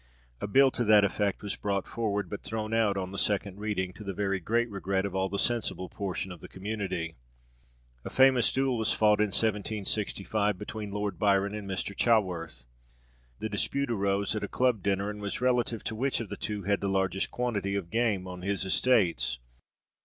A bill to that effect was brought forward, but thrown out on the second reading, to the very great regret of all the sensible portion of the community. A famous duel was fought in 1765 between Lord Byron and Mr. Chaworth. The dispute arose at a club dinner, and was relative to which of the two had the largest quantity of game on his estates.